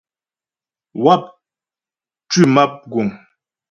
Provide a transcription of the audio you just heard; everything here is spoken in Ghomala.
Wáp tʉ́ map mgùŋ.